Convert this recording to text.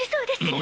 何！